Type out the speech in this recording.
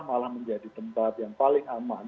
malah menjadi tempat yang paling aman